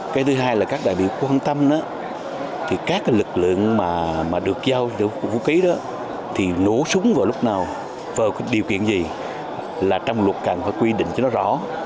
cái thứ hai là các đại biểu quan tâm các lực lượng được giao vũ khí thì nổ súng vào lúc nào vào điều kiện gì là trong luật cần quy định cho nó rõ